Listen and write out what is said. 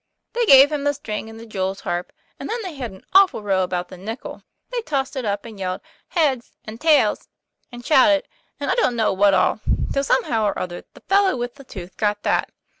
They gave him the string and the jew's harp; and then they had an awful row about the nickel. They tossed it up and yelled "Heads ' and 'Tails,' and shouted, and I don't know what all, till somehow or other the fellow with the tooth got that.